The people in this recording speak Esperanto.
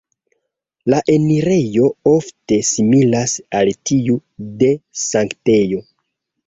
La enirejo ofte similas al tiu de sanktejo.